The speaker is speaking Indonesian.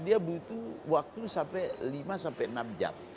dia butuh waktu sampai lima sampai enam jam